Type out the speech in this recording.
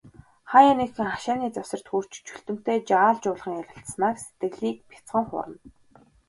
Хааяа нэгхэн, хашааны завсарт хүрч, Чүлтэмтэй жаал жуулхан ярилцсанаар сэтгэлийг бяцхан хуурна.